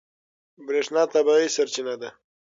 برېښنا طبیعي سرچینه ده.